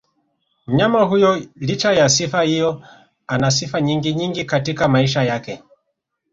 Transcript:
Mnyama huyo licha ya sifa hiyo anasifa nyingi nyingi katika maisha yake